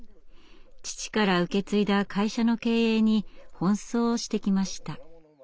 父から受け継いだ会社の経営に奔走してきました。